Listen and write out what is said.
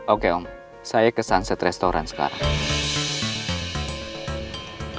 oke om saya ke sunset restoran sekarang